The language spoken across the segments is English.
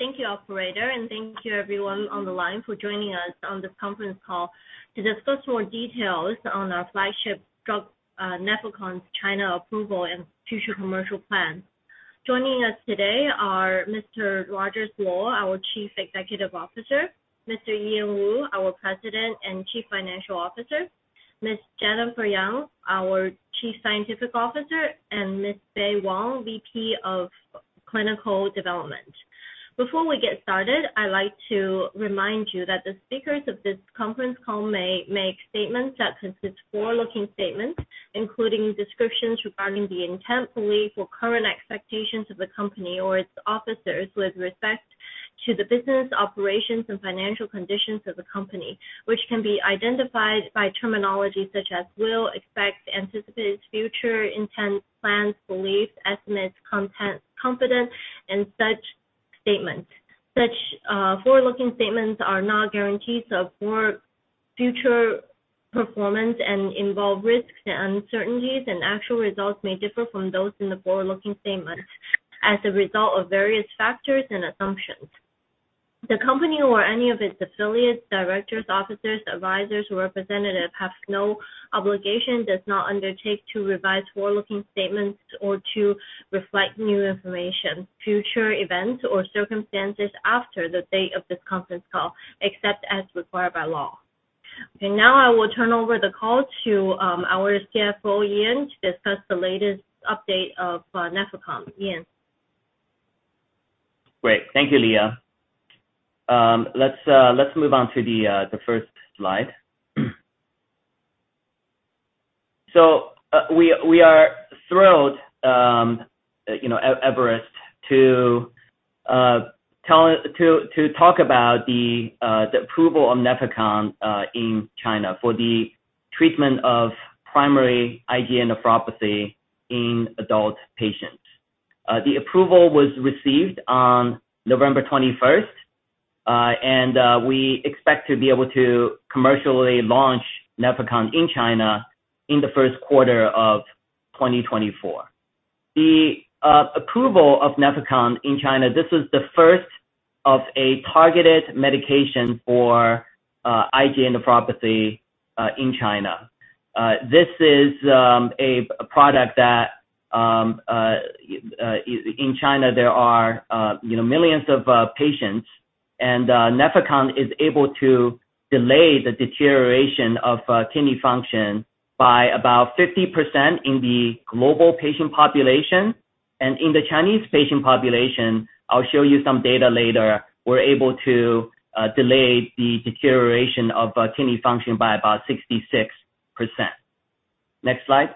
Thank you, Operator, and thank you everyone on the line for joining us on this conference call to discuss more details on our flagship drug, Nefecon's China approval and future commercial plans. Joining us today are Mr. Rogers Luo, our Chief Executive Officer; Mr. Ian Woo, our President and Chief Financial Officer; Ms. Jennifer Yang, our Chief Scientific Officer; and Ms. Bei Wang, VP of Clinical Development. Before we get started, I'd like to remind you that the speakers of this conference call may make statements that consist forward-looking statements, including descriptions regarding the intent, belief or current expectations of the company or its officers with respect to the business operations and financial conditions of the company, which can be identified by terminology such as will, expect, anticipate, future, intent, plans, beliefs, estimates, content, confident, and such statements. Such forward-looking statements are not guarantees of poor future performance and involve risks and uncertainties, and actual results may differ from those in the forward-looking statements as a result of various factors and assumptions. The company or any of its affiliates, directors, officers, advisors, or representatives have no obligation, does not undertake to revise forward-looking statements or to reflect new information, future events or circumstances after the date of this conference call, except as required by law. Now I will turn over the call to our CFO, Ian, to discuss the latest update of Nefecon. Ian? Great. Thank you, Leah. Let's move on to the first slide. So, we are thrilled, you know, Everest to talk about the approval of Nefecon in China for the treatment of primary IgA nephropathy in adult patients. The approval was received on November 21st, and we expect to be able to commercially launch Nefecon in China in the first quarter of 2024. The approval of Nefecon in China, this is the first of a targeted medication for IgA nephropathy in China. This is a product that in China, there are, you know, millions of patients, and Nefecon is able to delay the deterioration of kidney function by about 50% in the global patient population. In the Chinese patient population, I'll show you some data later. We're able to delay the deterioration of kidney function by about 66%. Next slide.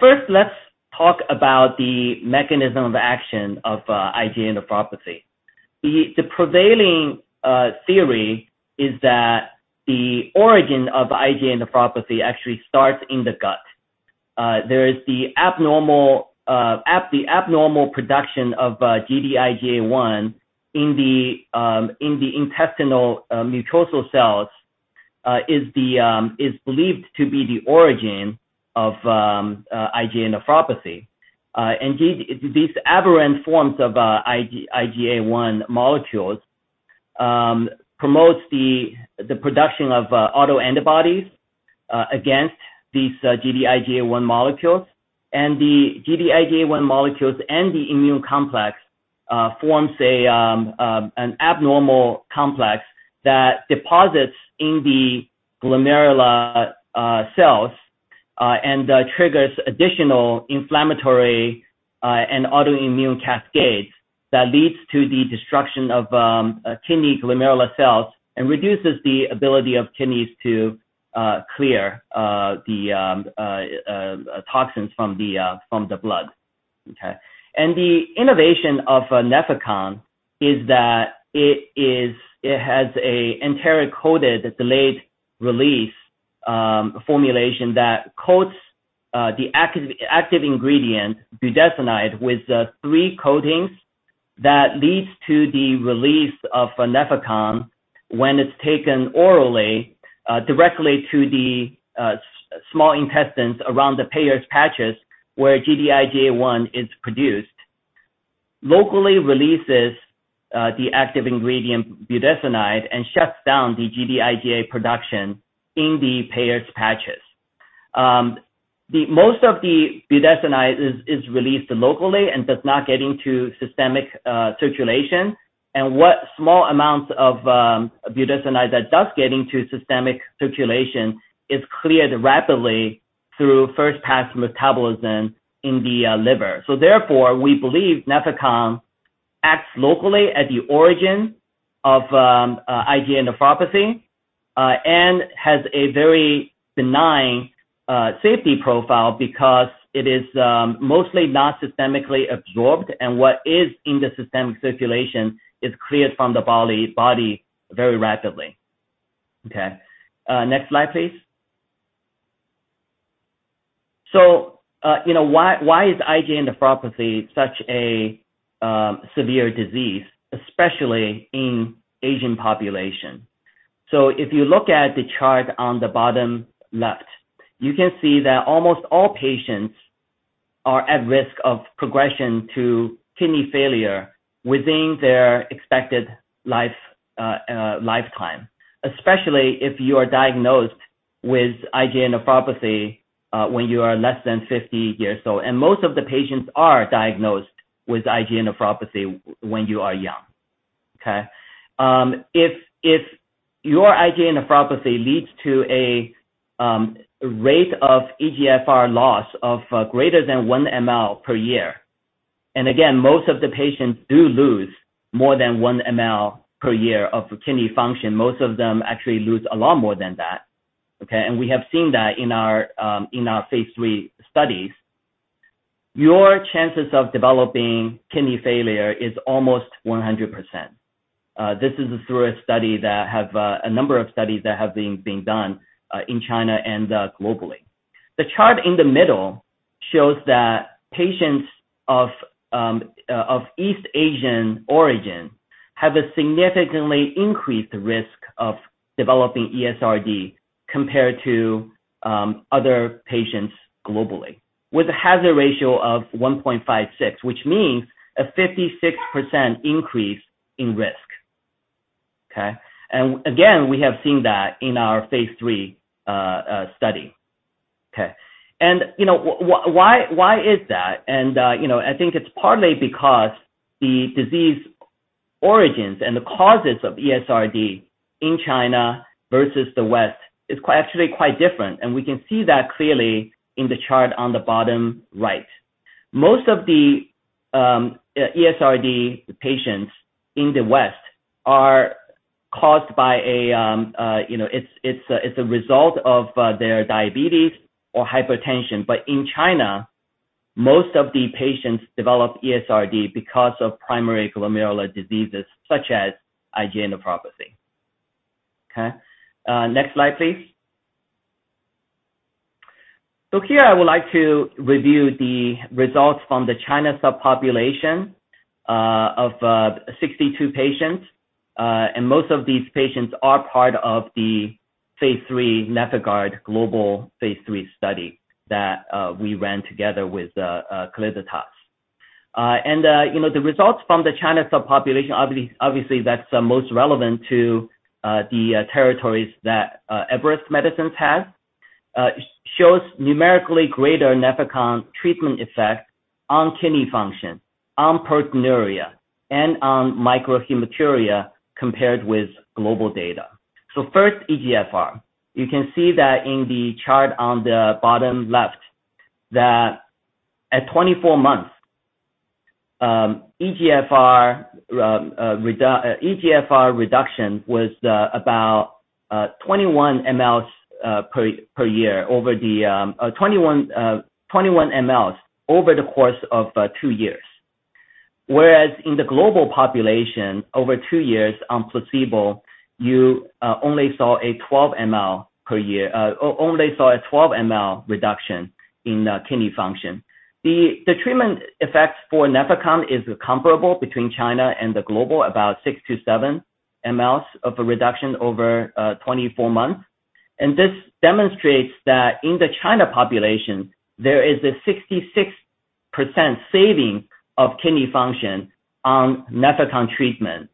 First, let's talk about the mechanism of action of IgA nephropathy. The prevailing theory is that the origin of IgA nephropathy actually starts in the gut. There is the abnormal production of Gd-IgA1 in the intestinal mucosal cells, is believed to be the origin of IgA nephropathy. Indeed, these aberrant forms of IgA1 molecules promotes the production of autoantibodies against these Gd-IgA1 molecules. And the Gd-IgA1 molecules and the immune complex forms an abnormal complex that deposits in the glomerular cells and triggers additional inflammatory and autoimmune cascades that leads to the destruction of kidney glomerular cells and reduces the ability of kidneys to clear the toxins from the blood. Okay? And the innovation of Nefecon is that it is it has an enteric-coated, delayed release formulation that coats the active ingredient, budesonide, with three coatings that leads to the release of Nefecon when it's taken orally directly to the small intestines around the Peyer's patches, where Gd-IgA1 is produced. Locally releases the active ingredient, budesonide, and shuts down the Gd-IgA1 production in the Peyer's patches. The most of the budesonide is released locally and does not get into systemic circulation. And what small amounts of budesonide that does get into systemic circulation is cleared rapidly through first pass metabolism in the liver. So therefore, we believe Nefecon acts locally at the origin of IgA nephropathy and has a very benign safety profile because it is mostly not systemically absorbed, and what is in the systemic circulation is cleared from the body very rapidly. Okay. Next slide, please. So, you know, why is IgA nephropathy such a severe disease, especially in Asian population? So if you look at the chart on the bottom left, you can see that almost all patients are at risk of progression to kidney failure within their expected life, lifetime, especially if you are diagnosed with IgA nephropathy when you are less than 50 years old. And most of the patients are diagnosed with IgA nephropathy when you are young, okay? If your IgA nephropathy leads to a rate of eGFR loss of greater than 1 ml per year, and again, most of the patients do lose more than 1 ml per year of kidney function. Most of them actually lose a lot more than that, okay? And we have seen that in our phase III studies. Your chances of developing kidney failure is almost 100%. This is through a number of studies that have been being done in China and globally. The chart in the middle shows that patients of East Asian origin have a significantly increased risk of developing ESRD compared to other patients globally, with a hazard ratio of 1.56, which means a 56% increase in risk, okay? And again, we have seen that in our phase III study. Okay, and you know, why is that? And you know, I think it's partly because the disease origins and the causes of ESRD in China versus the West is quite, actually quite different, and we can see that clearly in the chart on the bottom right. Most of the ESRD patients in the West are caused by a, you know, it's a result of their diabetes or hypertension. But in China, most of the patients develop ESRD because of primary glomerular diseases such as IgA nephropathy, okay? Next slide, please. So here I would like to review the results from the China subpopulation of 62 patients. And most of these patients are part of the phase III NefIgArd global phase III study that we ran together with Calliditas. And, you know, the results from the China subpopulation, obviously, that's the most relevant to the territories that Everest Medicines has. Shows numerically greater Nefecon treatment effect on kidney function, on proteinuria, and on microhematuria, compared with global data. So first, eGFR. You can see that in the chart on the bottom left, that at 24 months, eGFR reduction was about 21 mls per year over the 21 mls over the course of two years. Whereas in the global population, over two years on placebo, you only saw a 12 ml per year, only saw a 12 ml reduction in kidney function. The treatment effects for Nefecon is comparable between China and the global, about 6 mls-7 mls of a reduction over 24 months. And this demonstrates that in the China population, there is a 66% saving of kidney function on Nefecon treatment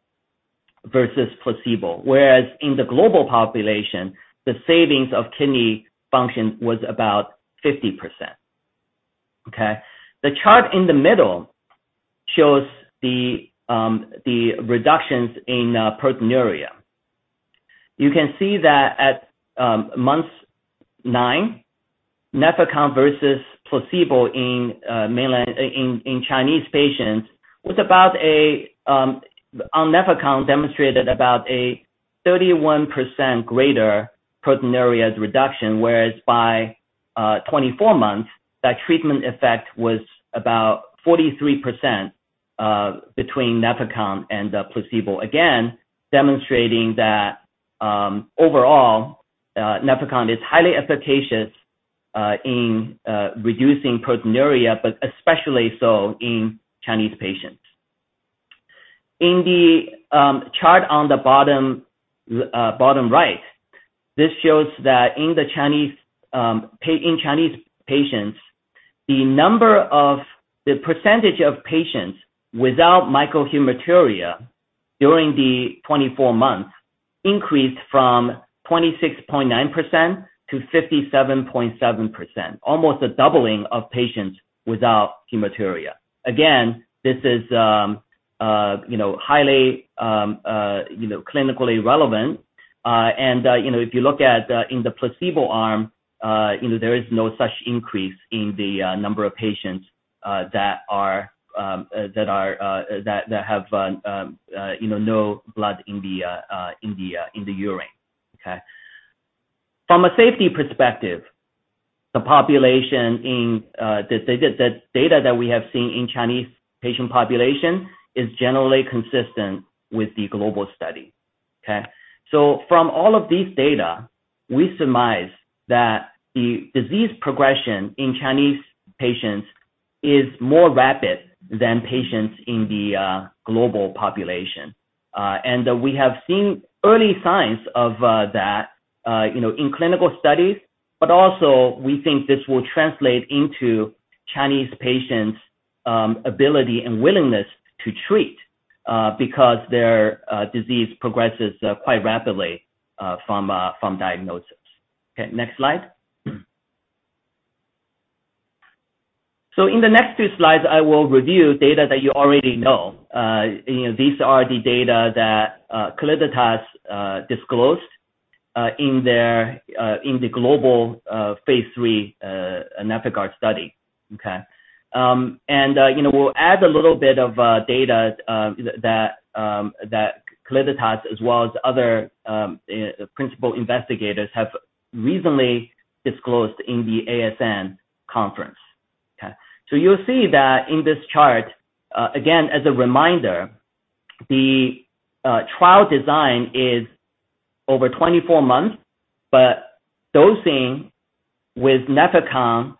versus placebo, whereas in the global population, the savings of kidney function was about 50%, okay? The chart in the middle shows the reductions in proteinuria. You can see that at nine months, Nefecon versus placebo in Chinese patients, on Nefecon demonstrated about a 31% greater proteinuria reduction, whereas by 24 months, that treatment effect was about 43% between Nefecon and the placebo. Again, demonstrating that overall, Nefecon is highly efficacious in reducing proteinuria, but especially so in Chinese patients. In the chart on the bottom, bottom right, this shows that in the Chinese patients, the percentage of patients without microhematuria during the 24 months increased from 26.9%-57.7%, almost a doubling of patients without hematuria. Again, this is, you know, highly, you know, clinically relevant. You know, if you look at in the placebo arm, you know, there is no such increase in the number of patients that have, you know, no blood in the urine. Okay? From a safety perspective, the population in the data that we have seen in Chinese patient population is generally consistent with the global study, okay? So from all of these data, we surmise that the disease progression in Chinese patients is more rapid than patients in the global population. And we have seen early signs of that, you know, in clinical studies, but also we think this will translate into Chinese patients' ability and willingness to treat because their disease progresses quite rapidly from diagnosis. Okay, next slide. So in the next few slides, I will review data that you already know. You know, these are the data that Calliditas disclosed in the global phase III NefIgArd study. Okay? And, you know, we'll add a little bit of data that Calliditas as well as other principal investigators have recently disclosed in the ASN conference. Okay. So you'll see that in this chart, again, as a reminder, the trial design is over 24 months, but dosing with Nefecon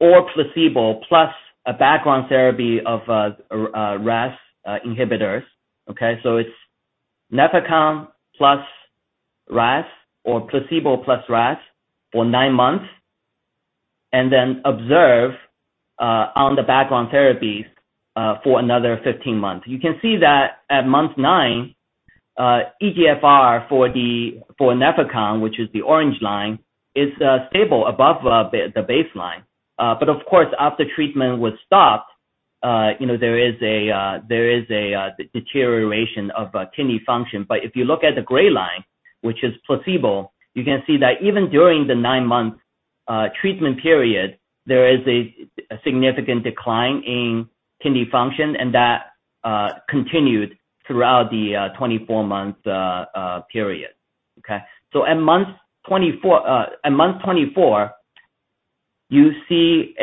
or placebo plus a background therapy of RAS inhibitors. Okay, so it's Nefecon plus RASi or placebo plus RASi for nine months, and then observe on the background therapies for another 15 months. You can see that at month nine, eGFR for Nefecon, which is the orange line, is stable above the baseline. But of course, after treatment was stopped, you know, there is a deterioration of kidney function. But if you look at the gray line, which is placebo, you can see that even during the nine month treatment period, there is a significant decline in kidney function, and that continued throughout the 24-month period. Okay? So at month 24, you see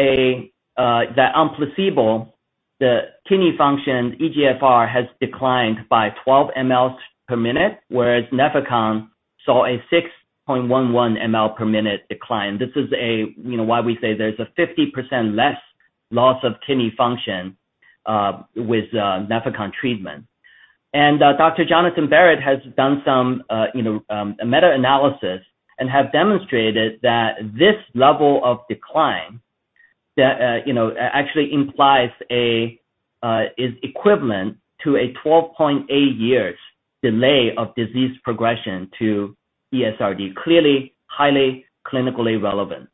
that on placebo, the kidney function, eGFR, has declined by 12 mL/min, whereas Nefecon saw a 6.11 mL/min decline. This is a, you know, why we say there's a 50% less loss of kidney function with Nefecon treatment. And Dr. Jonathan Barratt has done a meta-analysis and have demonstrated that this level of decline that actually implies is equivalent to a 12.8 years delay of disease progression to ESRD. Clearly, highly clinically relevant.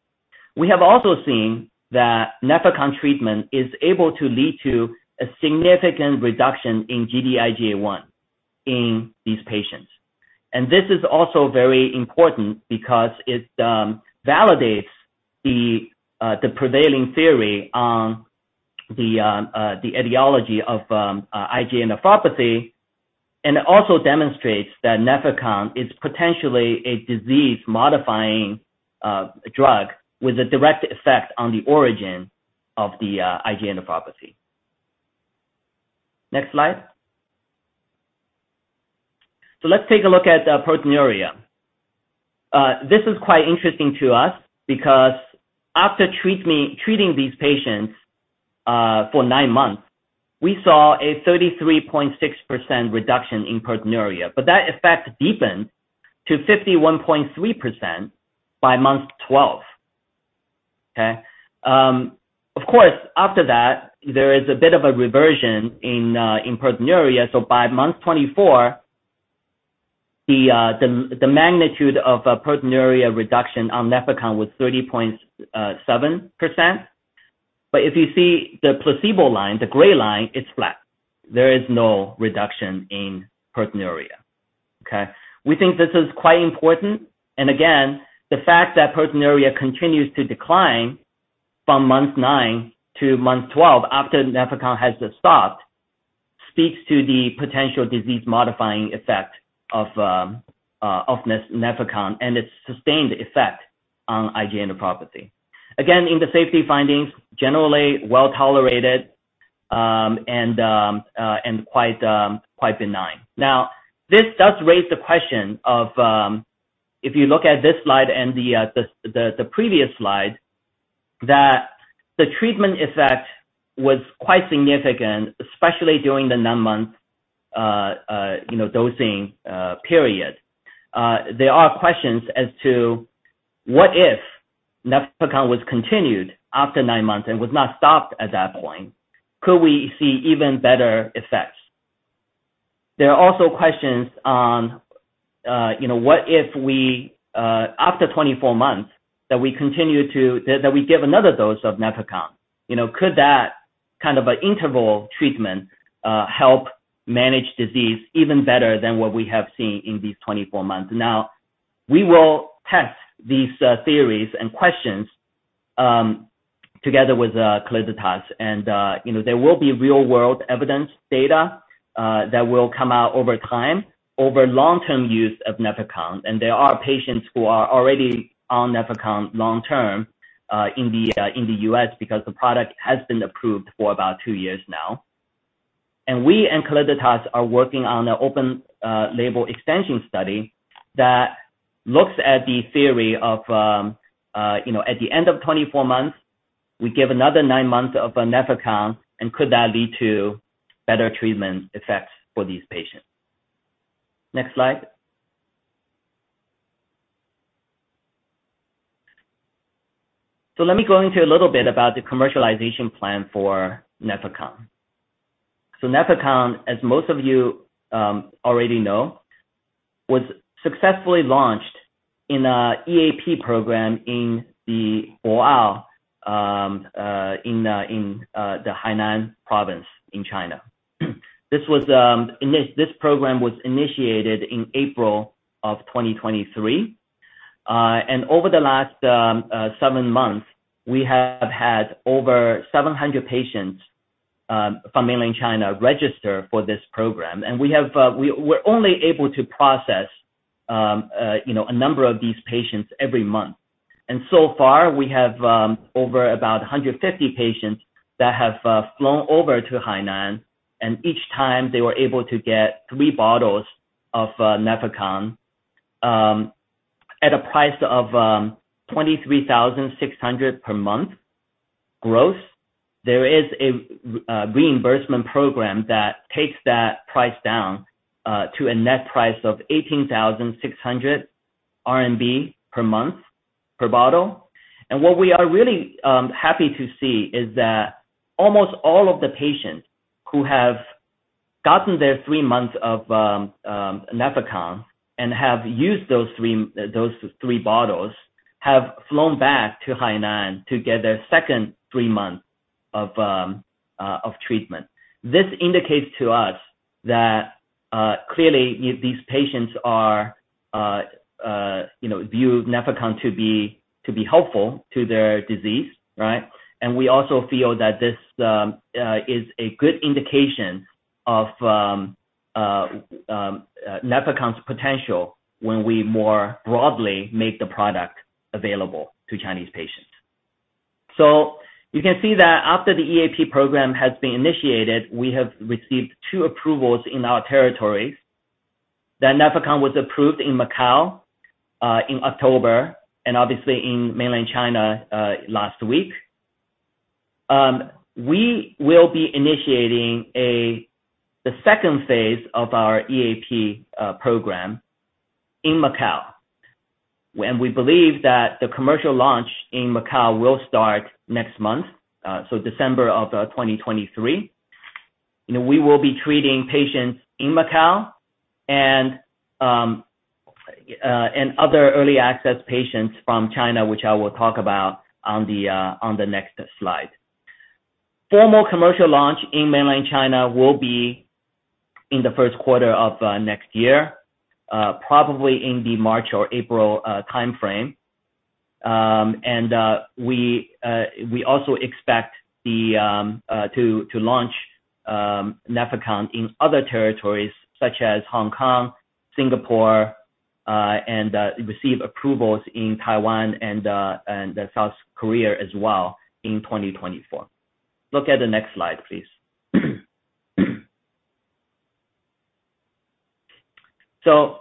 We have also seen that Nefecon treatment is able to lead to a significant reduction in Gd-IgA1 in these patients. And this is also very important because it validates the prevailing theory on the etiology of IgA nephropathy, and it also demonstrates that Nefecon is potentially a disease-modifying drug with a direct effect on the origin of the IgA nephropathy. Next slide. So let's take a look at proteinuria. This is quite interesting to us because after treating these patients for nine months, we saw a 33.6% reduction in proteinuria, but that effect deepened to 51.3% by month 12. Okay? Of course, after that, there is a bit of a reversion in proteinuria, so by month 24, the magnitude of a proteinuria reduction on Nefecon was 30.7%. But if you see the placebo line, the gray line, it's flat. There is no reduction in proteinuria. Okay? We think this is quite important. And again, the fact that proteinuria continues to decline from month nine to month 12, after Nefecon has stopped, speaks to the potential disease-modifying effect of Nefecon and its sustained effect on IgA nephropathy. Again, in the safety findings, generally well tolerated, and quite benign. Now, this does raise the question of, if you look at this slide and the previous slide, that the treatment effect was quite significant, especially during the nine month, you know, dosing period. There are questions as to what if Nefecon was continued after nine months and was not stopped at that point, could we see even better effects? There are also questions on, you know, what if we, after 24 months, that we continue to... That we give another dose of Nefecon, you know, could that kind of an interval treatment, help manage disease even better than what we have seen in these 24 months? Now, we will test these, theories and questions, together with, Calliditas and, you know, there will be real-world evidence data, that will come out over time, over long-term use of Nefecon. And there are patients who are already on Nefecon long term, in the U.S. because the product has been approved for about two years now.... And we and Calliditas are working on an open, label extension study that looks at the theory of, you know, at the end of 24 months, we give another nine months of Nefecon, and could that lead to better treatment effects for these patients? Next slide. So let me go into a little bit about the commercialization plan for Nefecon. So Nefecon, as most of you already know, was successfully launched in a EAP program in the Boao in the Hainan province in China. This was this program was initiated in April of 2023. And over the last seven months, we have had over 700 patients from mainland China register for this program. And we have we're only able to process, you know, a number of these patients every month. And so far, we have over about 150 patients that have flown over to Hainan, and each time they were able to get three bottles of Nefecon at a price of 23,600 per month gross. There is a reimbursement program that takes that price down to a net price of 18,600 RMB per month, per bottle. What we are really happy to see is that almost all of the patients who have gotten their three months of Nefecon and have used those three bottles have flown back to Hainan to get their second three months of treatment. This indicates to us that clearly these patients you know view Nefecon to be helpful to their disease, right? We also feel that this is a good indication of Nefecon's potential when we more broadly make the product available to Chinese patients. So you can see that after the EAP program has been initiated, we have received two approvals in our territories. That Nefecon was approved in Macau in October, and obviously in mainland China last week. We will be initiating the second phase of our EAP program in Macau. And we believe that the commercial launch in Macau will start next month, so December of 2023. You know, we will be treating patients in Macau and other early access patients from China, which I will talk about on the next slide. Formal commercial launch in mainland China will be in the first quarter of next year, probably in the March or April timeframe. We also expect to launch Nefecon in other territories such as Hong Kong, Singapore, and receive approvals in Taiwan and South Korea as well in 2024. Look at the next slide, please. So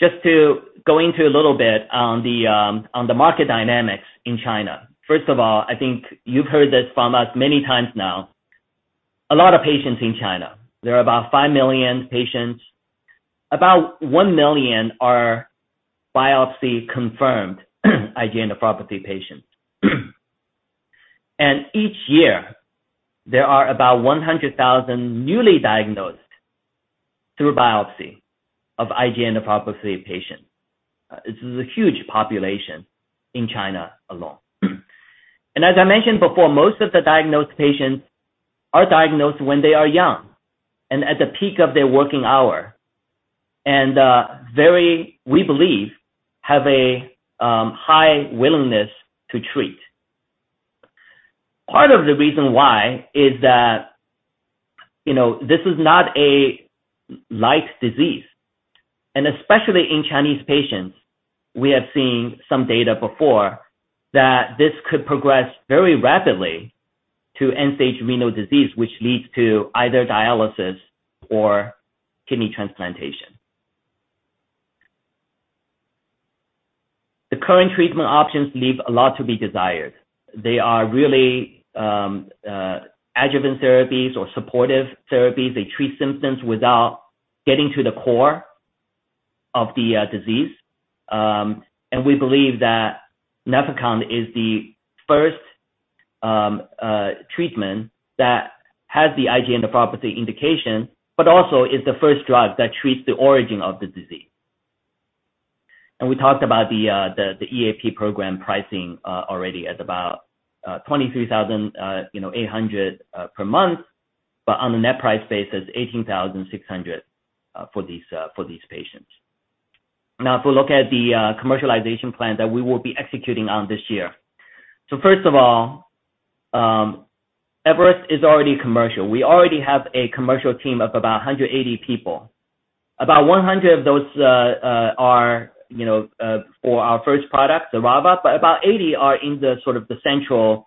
just to go into a little bit on the market dynamics in China. First of all, I think you've heard this from us many times now. A lot of patients in China. There are about 5 million patients. About 1 million are biopsy-confirmed IgA nephropathy patients. And each year, there are about 100,000 newly diagnosed through biopsy of IgA nephropathy patients. This is a huge population in China alone. As I mentioned before, most of the diagnosed patients are diagnosed when they are young and at the peak of their working hour, and very, we believe, have a high willingness to treat. Part of the reason why is that, you know, this is not a light disease, and especially in Chinese patients, we have seen some data before that this could progress very rapidly to end-stage renal disease, which leads to either dialysis or kidney transplantation. The current treatment options leave a lot to be desired. They are really adjuvant therapies or supportive therapies. They treat symptoms without getting to the core of the disease. And we believe that Nefecon is the first treatment that has the IgA nephropathy indication, but also is the first drug that treats the origin of the disease. And we talked about the the EAP program pricing already at about 23,800 per month, but on a net price basis, 18,600 for these patients. Now, if we look at the commercialization plan that we will be executing on this year. So first of all, Everest is already commercial. We already have a commercial team of about 180 people. About 100 of those, you know, are for our first product, Xerava, but about 80 are in the sort of the central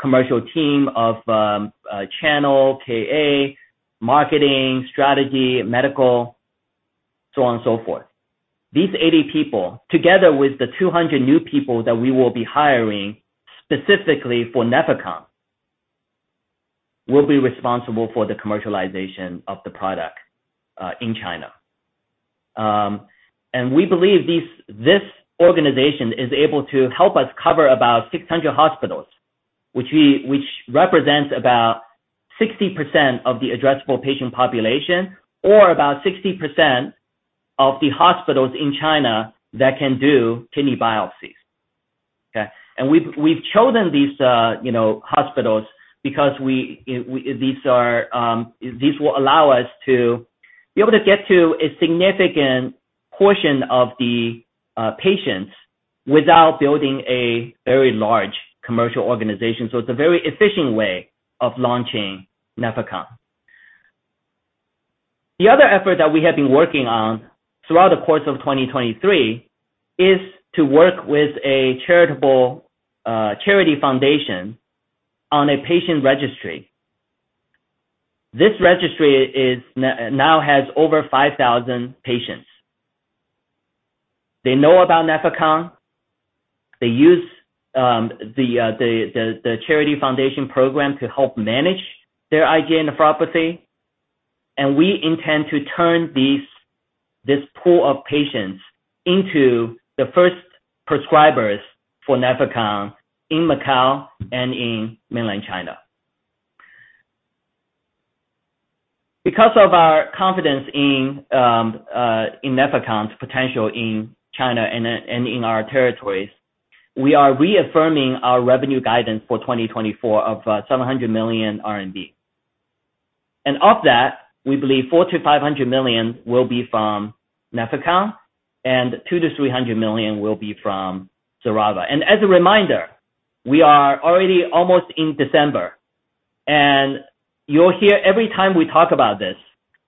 commercial team of channel, KA, marketing, strategy, medical, so on and so forth. These 80 people, together with the 200 new people that we will be hiring specifically for Nefecon, will be responsible for the commercialization of the product in China. And we believe this organization is able to help us cover about 600 hospitals, which represents about 60% of the addressable patient population, or about 60% of the hospitals in China that can do kidney biopsies, okay? And we've chosen these, you know, hospitals because these will allow us to be able to get to a significant portion of the patients without building a very large commercial organization. So it's a very efficient way of launching Nefecon. The other effort that we have been working on throughout the course of 2023 is to work with a charitable charity foundation on a patient registry. This registry is now has over 5,000 patients. They know about Nefecon. They use the charity foundation program to help manage their IgA nephropathy, and we intend to turn this pool of patients into the first prescribers for Nefecon in Macau and in mainland China. Because of our confidence in Nefecon's potential in China and in our territories, we are reaffirming our revenue guidance for 2024 of 700 million RMB. And of that, we believe 400 million-500 million will be from Nefecon, and 200 million-300 million will be from Xerava. And as a reminder, we are already almost in December, and you'll hear every time we talk about this,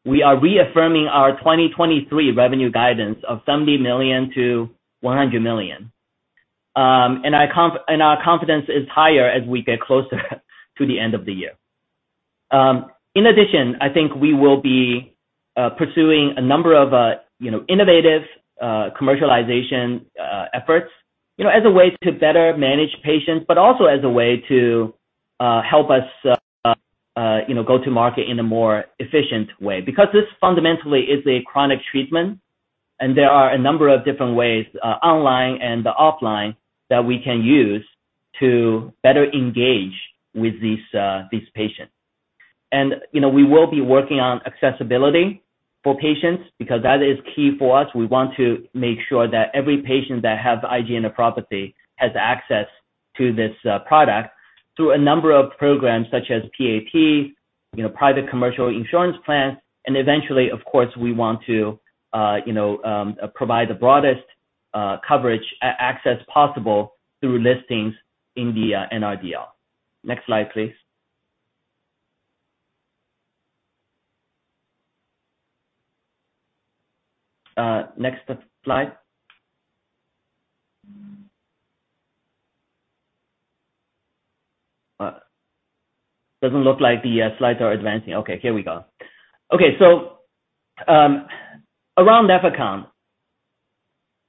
we are reaffirming our 2023 revenue guidance of 70 million-100 million. And our confidence is higher as we get closer to the end of the year. In addition, I think we will be pursuing a number of, you know, innovative commercialization efforts, you know, as a way to better manage patients, but also as a way to help us, you know, go to market in a more efficient way. Because this fundamentally is a chronic treatment, and there are a number of different ways, online and offline, that we can use to better engage with these patients. And, you know, we will be working on accessibility for patients, because that is key for us. We want to make sure that every patient that has IgA nephropathy has access to this product through a number of programs such as PAT, you know, private commercial insurance plans, and eventually, of course, we want to, you know, provide the broadest coverage access possible through listings in the NRDL. Next slide, please. Next slide. Doesn't look like the slides are advancing. Okay, here we go. Okay, so around Nefecon,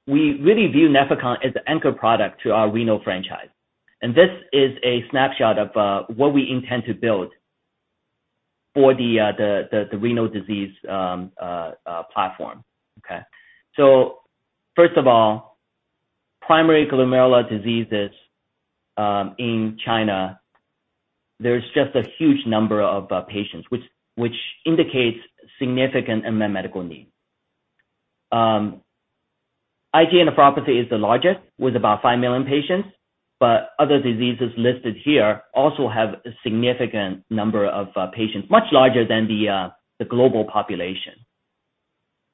we really view Nefecon as the anchor product to our renal franchise. And this is a snapshot of what we intend to build for the renal disease platform. Okay? So first of all, primary glomerular diseases in China, there's just a huge number of patients, which indicates significant unmet medical need. IgA nephropathy is the largest, with about 5 million patients, but other diseases listed here also have a significant number of patients, much larger than the global population.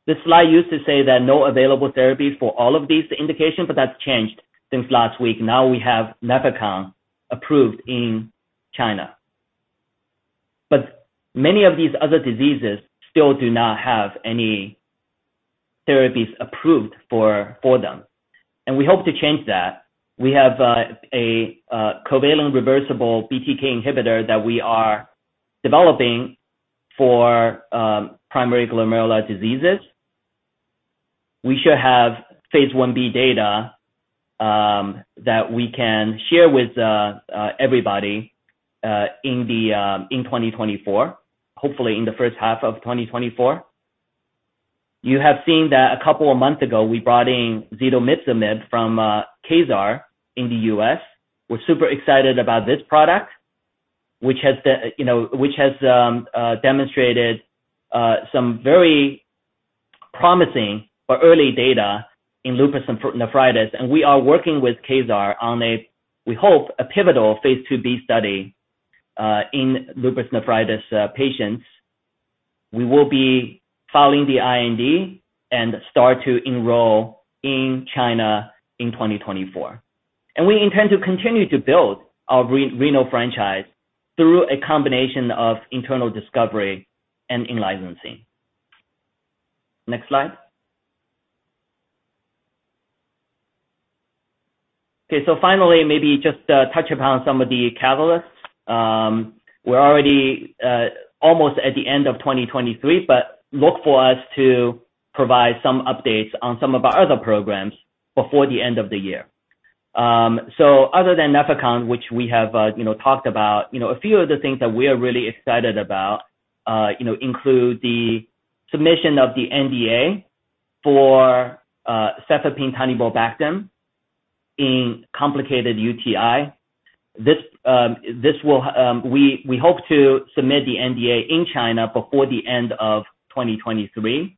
This slide used to say that no available therapy for all of these indications, but that's changed since last week. Now we have Nefecon approved in China. But many of these other diseases still do not have any therapies approved for them, and we hope to change that. We have a covalent reversible BTK inhibitor that we are developing for primary glomerular diseases. We should have phase IB data that we can share with everybody in 2024, hopefully in the first half of 2024. You have seen that a couple of months ago, we brought in zetomipzomib from Kezar in the U.S. We're super excited about this product, which has been, you know, which has demonstrated some very promising but early data in lupus and nephritis, and we are working with Kezar on a, we hope, a pivotal phase IIB study in lupus nephritis patients. We will be following the IND and start to enroll in China in 2024. We intend to continue to build our renal franchise through a combination of internal discovery and in-licensing. Next slide. Okay, so finally, maybe just touch upon some of the catalysts. We're already almost at the end of 2023, but look for us to provide some updates on some of our other programs before the end of the year. So other than Nefecon, which we have, you know, talked about, you know, a few of the things that we are really excited about, you know, include the submission of the NDA for cefepime-taniborbactam in complicated UTI. This, this will, we, we hope to submit the NDA in China before the end of 2023.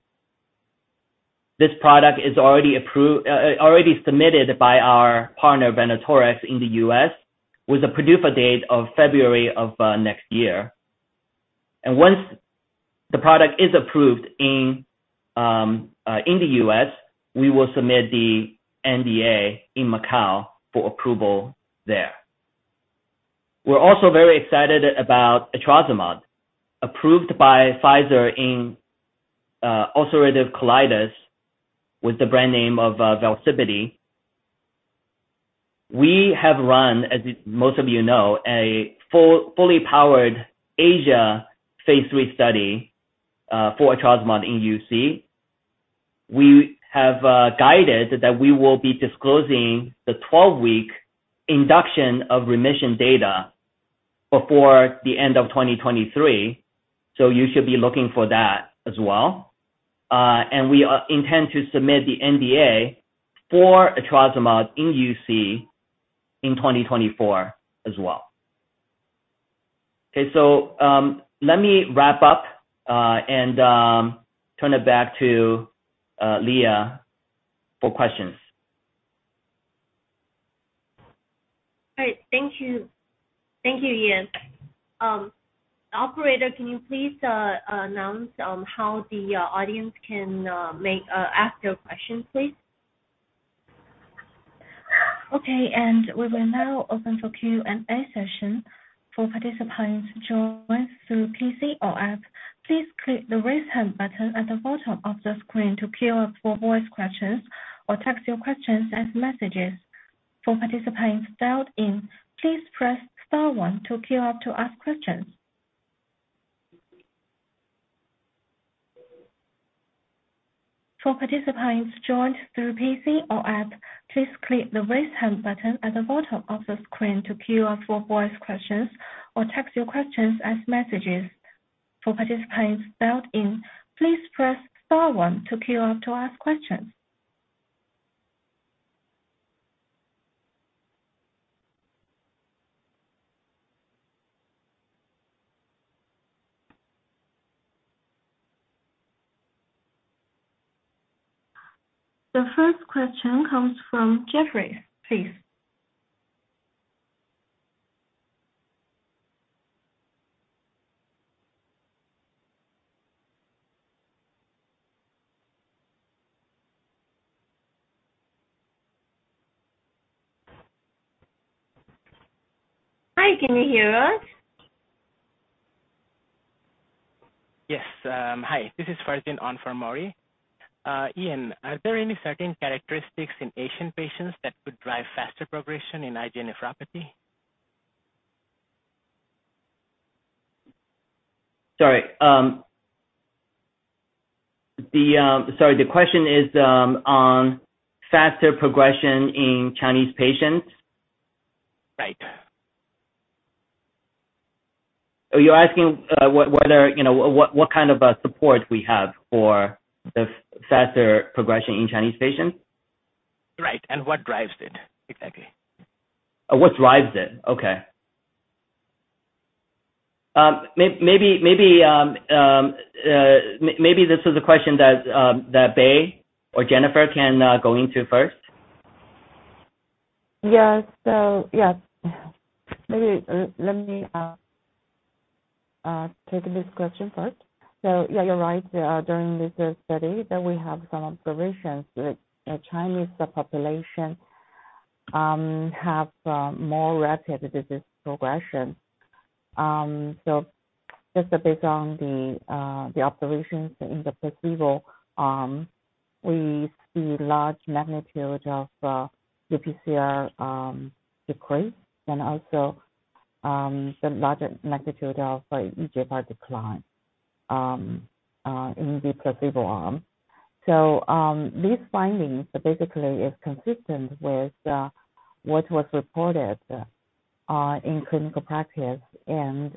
This product is already approved, already submitted by our partner, Venatorx, in the U.S., with a PDUFA date of February of 2024. And once the product is approved in, in the U.S., we will submit the NDA in Macau for approval there. We're also very excited about etrasimod, approved by Pfizer in ulcerative colitis, with the brand name of Velsipity. We have run, as most of you know, a fully powered Asia phase III study for etrasimod in UC. We have guided that we will be disclosing the 12-week induction of remission data before the end of 2023, so you should be looking for that as well. And we intend to submit the NDA for etrasimod in UC in 2024 as well. Okay, so let me wrap up and turn it back to Leah for questions. All right. Thank you. Thank you, Ian. Operator, can you please announce how the audience can ask their questions, please? Okay, we will now open for Q&A session. For participants joined through PC or app, please click the Raise Hand button at the bottom of the screen to queue up for voice questions or text your questions as messages. For participants dialed in, please press star one to queue up to ask questions. For participants joined through PC or app, please click the Raise Hand button at the bottom of the screen to queue up for voice questions or text your questions as messages. For participants dialed in, please press star one to queue up to ask questions. The first question comes from Jefferies. Please. Hi, can you hear us? Yes, hi, this is Farzin on for Maury. Ian, are there any certain characteristics in Asian patients that could drive faster progression in IgA nephropathy? Sorry, the question is on faster progression in Chinese patients? Right. Are you asking whether, you know, what kind of support we have for the faster progression in Chinese patients? Right. And what drives it exactly? What drives it? Okay. Maybe this is a question that Bei or Jennifer can go into first. Yes. So, yes, maybe let me take this question first. So yeah, you're right, during this study that we have some observations with Chinese population, have more rapid disease progression. So just based on the observations in the placebo, we see large magnitude of UPCR decrease, and also the larger magnitude of eGFR decline in the placebo arm. So these findings basically is consistent with what was reported in clinical practice and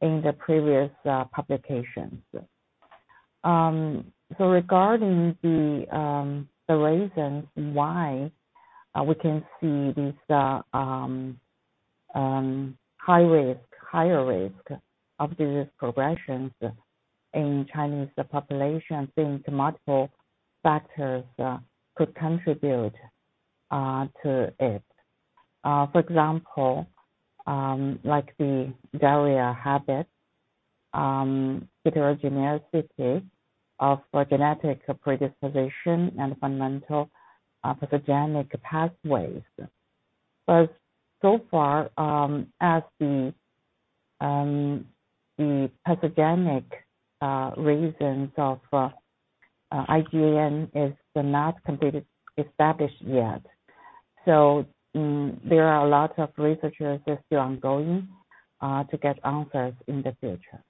in the previous publications. So regarding the reasons why we can see this high risk, higher risk of disease progressions in Chinese population, seems multiple factors could contribute to it. For example, like the diarrhea habit-... Heterogeneity of genetic predisposition and fundamental pathogenic pathways. But so far, as the pathogenic reasons of IgAN is not completely established yet. So, there are a lot of researchers that are still ongoing to get answers in the future.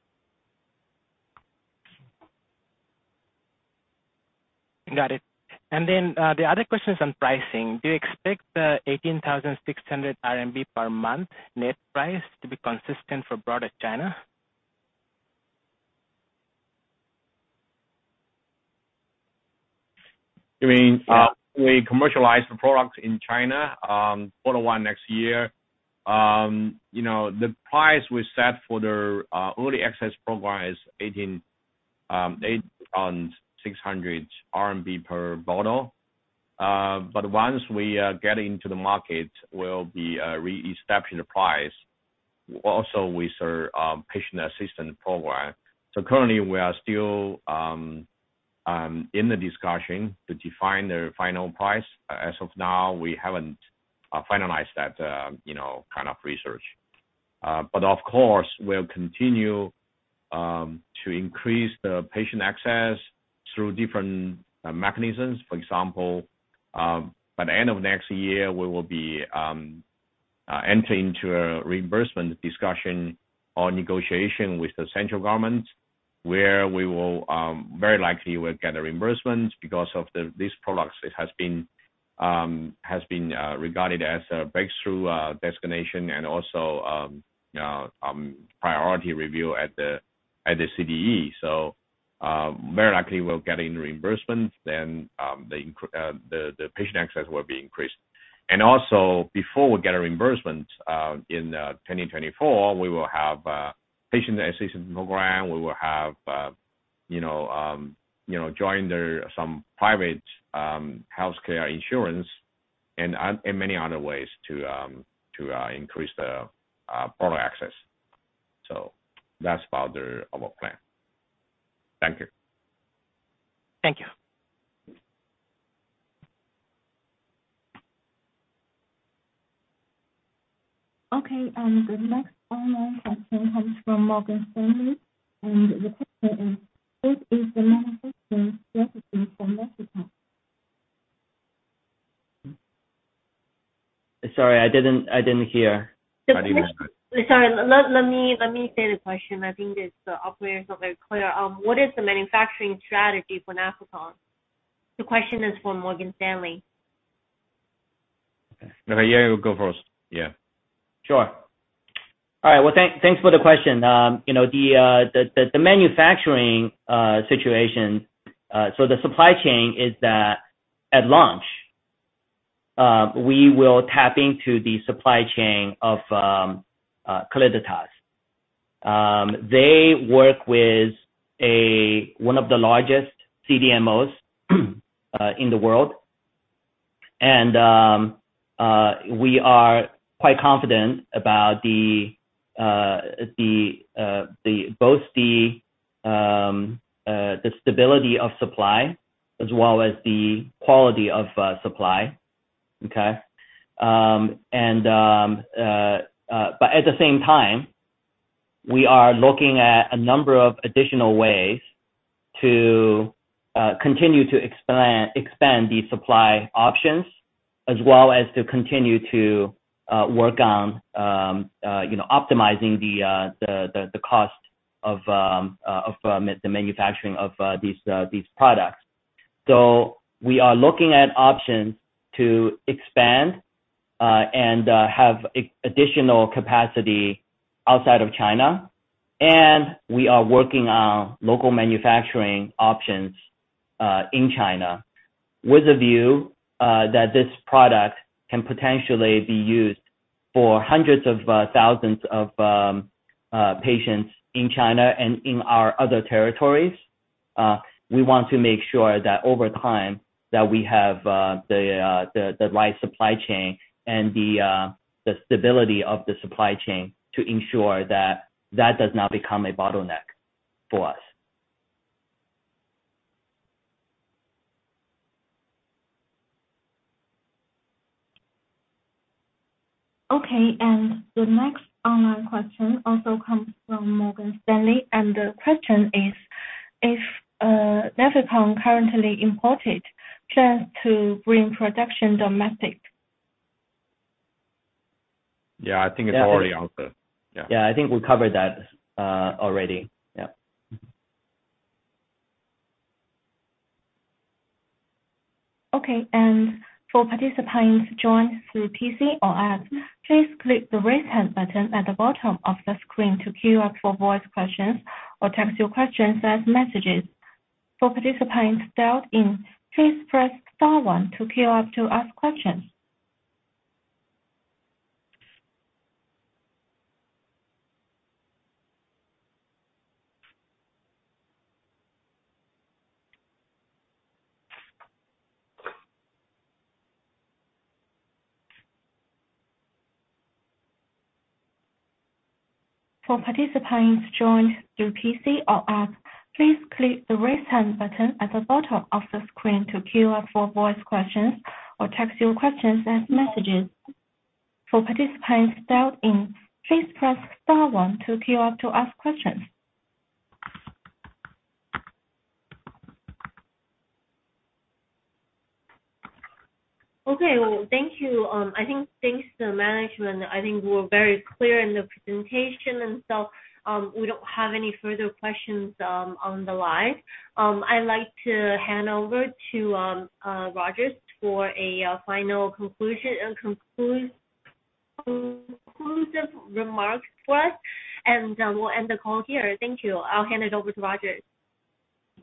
Got it. And then, the other question is on pricing. Do you expect the 18,600 RMB per month net price to be consistent for broader China? I mean, we commercialize the product in China, quarter one next year. You know, the price we set for the early access program is 18,600 RMB per bottle. But once we get into the market, we'll be reestablishing the price. Also with our patient assistance program. So currently we are still in the discussion to define the final price. As of now, we haven't finalized that, you know, kind of research. But of course, we'll continue to increase the patient access through different mechanisms. For example, by the end of next year, we will be entering into a reimbursement discussion or negotiation with the central government, where we will very likely get a reimbursement because of these products. It has been regarded as a breakthrough designation and also priority review at the CDE. So, very likely we'll get in reimbursement then, the patient access will be increased. And also before we get a reimbursement, in 2024, we will have a patient assistance program. We will have, you know, you know, join some private healthcare insurance and many other ways to increase the product access. So that's about our plan. Thank you. Thank you. Okay, the next online question comes from Morgan Stanley. The question is, what is the manufacturing strategy for Nefecon? Sorry, I didn't hear. How do you want to- Sorry, let me say the question. I think it's the operator is not very clear. What is the manufacturing strategy for Nefecon? The question is from Morgan Stanley. Okay. Yeah, you go first. Yeah. Sure. All right, well, thanks for the question. You know, the manufacturing situation, so the supply chain is that at launch, we will tap into the supply chain of Calliditas. They work with one of the largest CDMOs in the world. And we are quite confident about both the stability of supply as well as the quality of supply. Okay? But at the same time, we are looking at a number of additional ways to continue to expand the supply options, as well as to continue to work on, you know, optimizing the cost of the manufacturing of these products. So we are looking at options to expand and have a additional capacity outside of China, and we are working on local manufacturing options in China with a view that this product can potentially be used for hundreds of thousands of patients in China and in our other territories. We want to make sure that over time, that we have the right supply chain and the stability of the supply chain to ensure that that does not become a bottleneck for us. Okay, and the next online question also comes from Morgan Stanley. The question is: Is Nefecon currently imported? Plans to bring production domestic? Yeah, I think it's already out there. Yeah. Yeah, I think we covered that, already. Yeah. Okay, and for participants joined through PC or app, please click the raise hand button at the bottom of the screen to queue up for voice questions or type your questions as messages. For participants dialed in, please press star one to queue up to ask questions. For participants joined through PC or app, please click the Raise Hand button at the bottom of the screen to queue up for voice questions or text your questions as messages. For participants dialed in, please press star one to queue up to ask questions. Okay, well, thank you. I think thanks to management, I think we're very clear in the presentation, and so, we don't have any further questions, on the line. I'd like to hand over to Rogers for a final conclusion and conclusive remarks for us, and we'll end the call here. Thank you. I'll hand it over to Rogers.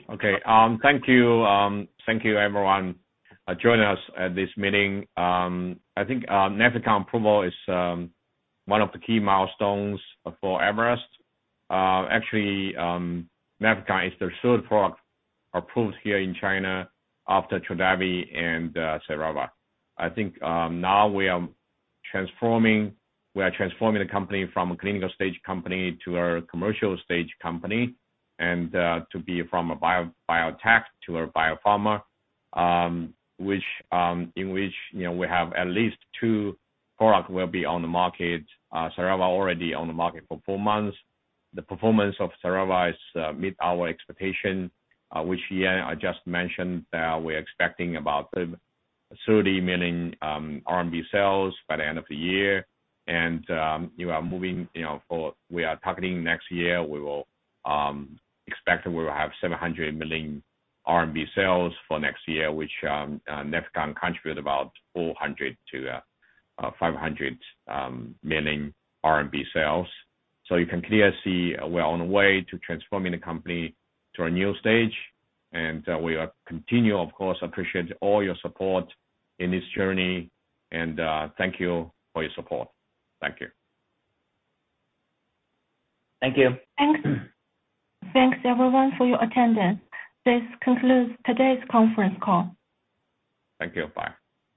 Okay. Thank you. Thank you, everyone, joining us at this meeting. I think, Nefecon approval is one of the key milestones for Everest. Actually, Nefecon is the third product approved here in China after Trodelvy and, Xerava. I think, now we are transforming, we are transforming the company from a clinical stage company to a commercial stage company, and, to be from a biotech to a biopharma, which, in which, you know, we have at least two product will be on the market. Xerava already on the market for four months. The performance of Xerava is, meet our expectation, which I just mentioned, that we're expecting about 30 million RMB sales by the end of the year. We are moving, you know, we are targeting next year, we will expect we will have 700 million RMB sales for next year, which, Nefecon contribute about 400 million-500 million RMB sales. So you can clearly see we're on the way to transforming the company to a new stage, and, we are continue, of course, appreciate all your support in this journey, and, thank you for your support. Thank you. Thank you. Thanks. Thanks, everyone, for your attendance. This concludes today's conference call. Thank you. Bye.